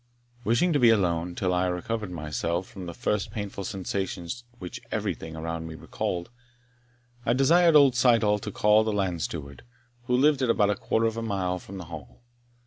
Wishing to be alone, till I recovered myself from the first painful sensations which everything around me recalled, I desired old Syddall to call the land steward, who lived at about a quarter of a mile from the Hall.